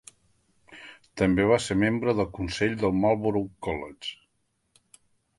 També va ser membre del Consell del Marlborough College.